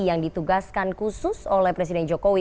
yang ditugaskan khusus oleh presiden jokowi